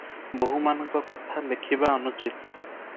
ବୋହୂମାନଙ୍କ କଥା ଲେଖିବା ଅନୁଚିତ ।